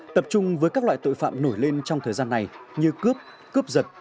tập trung với các loại tội phạm nổi lên trong thời gian này như cướp cướp giật